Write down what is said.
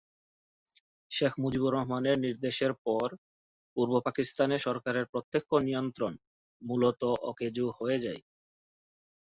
শেখ মুজিবুর রহমানের নির্দেশের পর পূর্ব পাকিস্তানে সরকারের প্রত্যক্ষ নিয়ন্ত্রণ মূলত অকেজো হয়ে যায়।